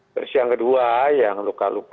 terus yang kedua yang luka luka